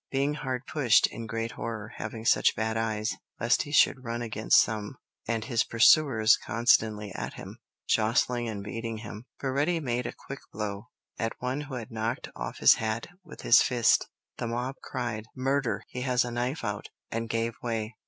Being hard pushed, "in great horror, having such bad eyes," lest he should run against some, and his pursuers constantly at him, jostling and beating him, Baretti "made a quick blow" at one who had knocked off his hat with his fist; the mob cried, "Murder, he has a knife out," and gave way.